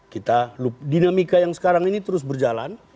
kita dinamika yang sekarang ini terus berjalan